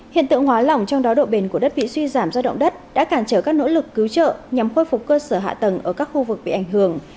hiện tượng hóa lỏng trong đó độ bền của đất bị suy giảm do động đất đã cản trở các nỗ lực cứu trợ nhằm khôi phục cơ sở hạ tầng ở các khu vực bị ảnh hưởng